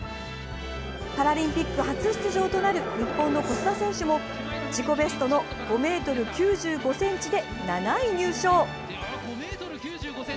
パラリンピック初出場となる日本の小須田選手も自己ベストの５ｍ９５ｃｍで７位入賞。